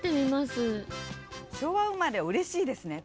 昭和生まれはうれしいですね